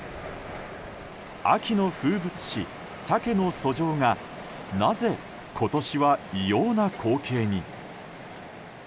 秋の風物詩サケの遡上がなぜ、今年は異様な光景に？